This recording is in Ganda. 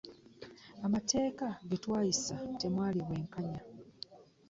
Amateeka ge twayisa temwali bwenkanya.